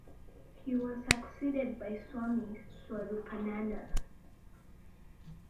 He was succeeded by Swami Swaroopananda.